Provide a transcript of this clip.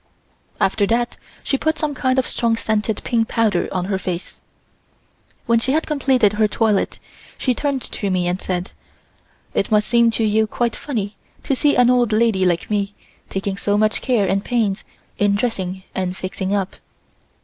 After that she put some kind of strong scented pink powder on her face. When she had completed her toilet, she turned to me and said: "It must seem to you quite funny to see an old lady like me taking so much care and pains in dressing and fixing up.